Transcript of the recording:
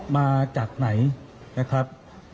มาจากไหนนะครับ